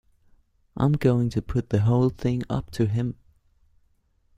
I'm going to put the whole thing up to him.